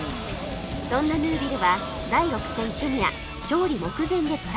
そんなヌービルは第６戦ケニア勝利目前でトラブル